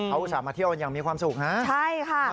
เขาอุตส่าห์มาเที่ยวกันอย่างมีความสุขนะใช่ค่ะ